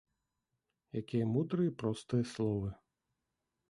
Якія мудрыя і простыя словы!